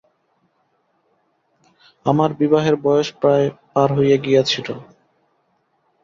আমার বিবাহের বয়স প্রায় পার হইয়া গিয়াছিল।